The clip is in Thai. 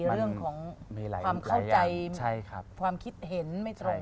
เรื่องของความเข้าใจความคิดเห็นไม่ตรง